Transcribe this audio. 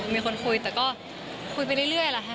มีคนคุยแต่ก็คุยไปเรื่อยแหละค่ะ